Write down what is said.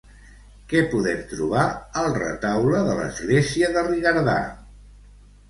Què podem trobar al retaule de l'església de Rigardà?